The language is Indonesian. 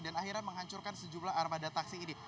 dan akhirnya menghancurkan sejumlah armada taksi ini